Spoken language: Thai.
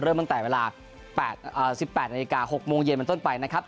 เริ่มตั้งแต่เวลา๑๘นาทีนาทรกลมเย็นบันต้นไปนะครับ